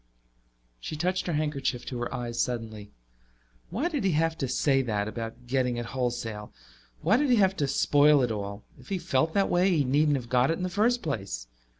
She touched her handkerchief to her eyes suddenly. Why did he have to say that, about getting it wholesale? Why did he have to spoil it all? If he felt that way he needn't have got it in the first place.